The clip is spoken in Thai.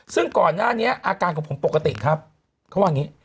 ซึ่งก่อนหน้านี้อาการของผมปกติครับเขาว่าอย่างนี้